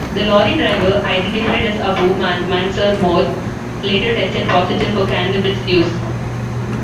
The lorry driver, identified as Abu Mansor Mohd, later tested positive for cannabis use.